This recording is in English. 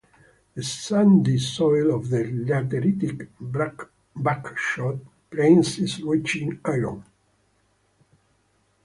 The sandy soil of the lateritic "buckshot" plains is rich in iron.